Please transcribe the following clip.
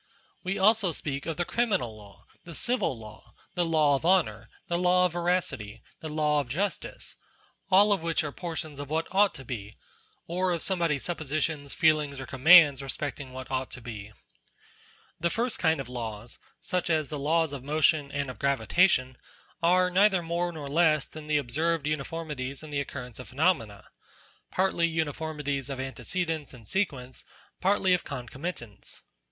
We also speak of the criminal law, the civil law, the law of honour, the law of veracity, the law of justice ; all of which are por tions of what ought to be, or of somebody's suppositions, feelings, or commands respecting what ought to be. The first kind of laws, such as the laws of motion, and of gravitation, are neither more nor less than the ob served uniformities in the occurrence of phenomena : partly uniformities of antecedence and sequence, partly of concomitance.